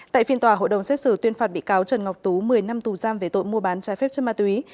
tại phiên tòa hội đồng xét xử tuyên phạt bị cáo trần ngọc tú một mươi năm tù giam về tội mua bán trái phép chất ma túy